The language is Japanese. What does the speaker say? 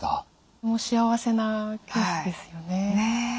幸せなケースですよね。